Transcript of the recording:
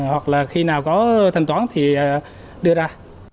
hoặc là khi nào có thanh toán thì đưa ra